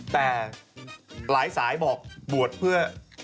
แต่หลายสายบอกบวชเพื่อ